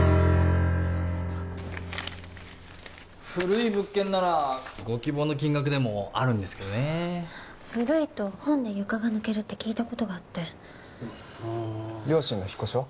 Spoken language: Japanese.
古い物件ならご希望の金額でもあるんですけどね古いと本で床が抜けるって聞いたことがあって両親の引っ越しは？